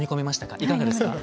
いかがですか？